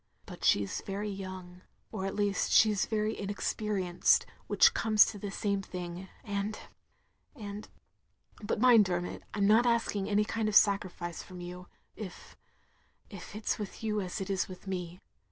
" But she 's very young, or at least she 's very inexperienced, which comes to the same thing, and — ^and — ^but mind, Dermot, I 'm not asking any kind of sacrifice from you, if — ^if it 's with you as it is with me.